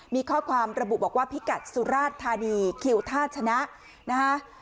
มีข้อความระบุบอกว่าพิกัดสุราชธานีคิวท่าชนะนะคะ